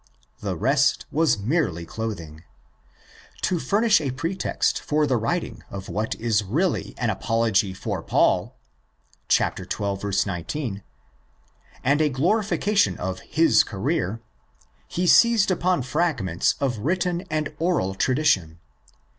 The rest was merely clothing. To furnish a pretext for the writing of what is really an apology for Paul (ὅτι ὑμῖν ἀπολογούμεθα, xii. 19) and a glorification of his career, he seized upon fragments of written and oral tradition.